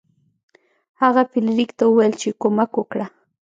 هغه فلیریک ته وویل چې کومک وکړه.